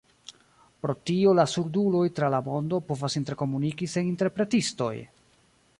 Pro tio la surduloj tra la mondo povas interkomuniki sen interpretistoj!